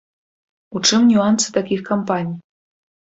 У чым нюансы такіх кампаній?